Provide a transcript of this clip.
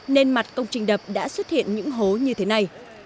nên mặt công trình đập đã xuất hiện những hố như thế này